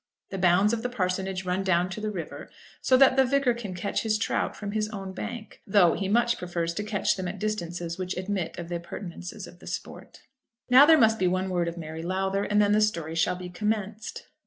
The bounds of the parsonage run down to the river, so that the Vicar can catch his trout from his own bank, though he much prefers to catch them at distances which admit of the appurtenances of sport. Now there must be one word of Mary Lowther, and then the story shall be commenced.